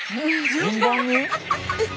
順番に？